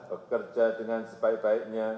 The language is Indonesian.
bekerja dengan sebaik baiknya